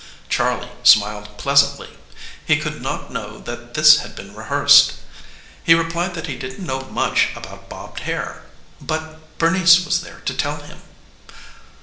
Charley smiled pleasantly. He could not know this had been rehearsed. He replied that he didn't know much about bobbed hair. But Bernice was there to tell him.